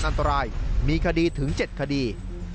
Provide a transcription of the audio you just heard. อันตรายมีคดีถึง๗คดี